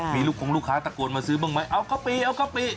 มีลูกคงลูกค้าตะโกนมาซื้อบ้างไหมเอากะปิเอากะปิ